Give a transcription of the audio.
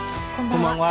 こんばんは。